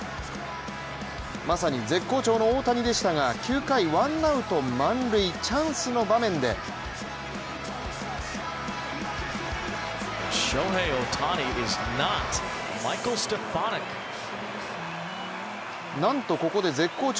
まさに絶好調の大谷でしたが、９回、ワンアウト満塁チャンスの場面でなんとここで絶好調